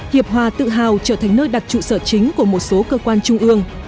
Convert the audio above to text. hiệp hòa tự hào trở thành nơi đặt trụ sở chính của một số cơ quan trung ương